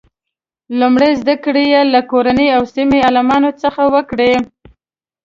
لومړنۍ زده کړې یې له کورنۍ او سیمې عالمانو څخه وکړې.